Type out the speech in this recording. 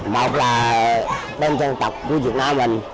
một là bên dân tộc của việt nam mình